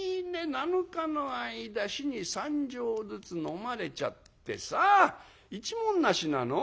７日の間日に３升ずつ飲まれちゃってさ一文無しなの？